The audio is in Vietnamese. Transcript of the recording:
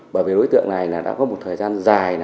bởi vì đối tượng này là đã có một thời gian dài